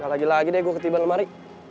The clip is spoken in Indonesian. gak lagi lagi deh gue ketiban lemari